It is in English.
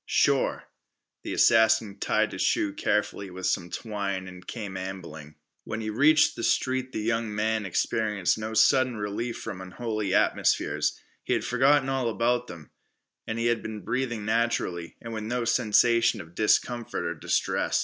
"Sure." The assassin tied his shoe carefully with some twine and came ambling. When he reached the street the young man experienced no sudden relief from unholy atmospheres. He had forgotten all about them, and had been breathing naturally, and with no sensation of discomfort or distress.